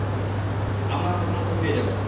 আমরাও কথামত ফিরে যাব!